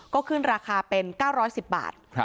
ก็ขึ้นราคาเป็น๙๑๐บาท